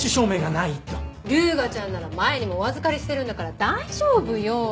ルーガちゃんなら前にもお預かりしてるんだから大丈夫よ。